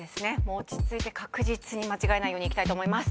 落ち着いて確実に間違えないようにいきたいと思います。